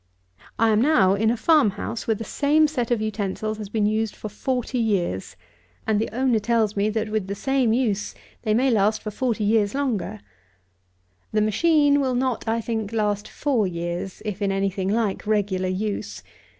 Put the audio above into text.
I am now in a farm house, where the same set of utensils has been used for forty years; and the owner tells me, that, with the same use, they may last for forty years longer. The machine will not, I think, last four years, if in any thing like regular use.